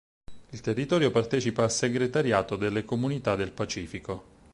Il territorio partecipa al Segretariato delle comunità del Pacifico.